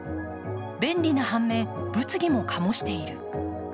便利な反面、物議もかもしている。